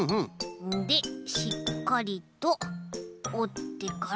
でしっかりとおってから。